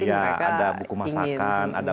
mereka ingin ada buku masakan ada